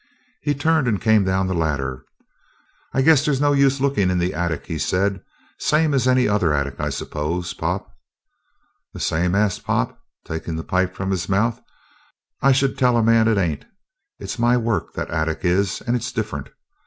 He turned and came down the ladder. "I guess there's no use looking in the attic," he said. "Same as any other attic, I suppose, Pop?" "The same?" asked Pop, taking the pipe from his mouth. "I should tell a man it ain't. It's my work, that attic is, and it's different.